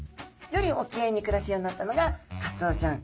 より沖合に暮らすようになったのがカツオちゃん。